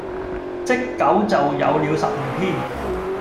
積久就有了十餘篇。